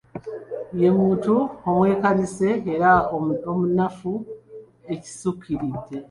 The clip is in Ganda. Ye muntu omwekanase era omunafu ekisukkiridde.